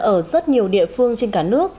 ở rất nhiều địa phương trên cả nước